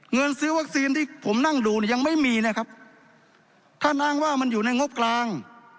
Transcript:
เงินซื้อวัคซีนที่ผมนั่งดูเนี่ยยังไม่มีนะครับถ้าอ้างว่ามันอยู่ในงบกลาง